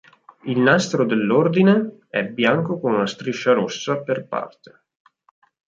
Il nastro dell'ordine è bianco con una striscia rossa per parte.